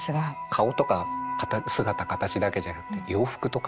顔とか姿形だけじゃなくて洋服とかも。